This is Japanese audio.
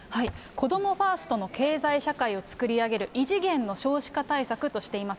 子どもファーストの経済社会を作り上げる異次元の少子化対策としています。